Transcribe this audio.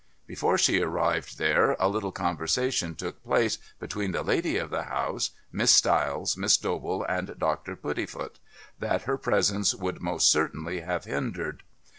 Before she arrived there a little conversation took place between the lady of the house, Miss Stiles, Miss Dobell and Dr. Puddifoot, that her presence would most certainly have hindered.